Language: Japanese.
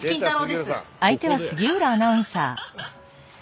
です。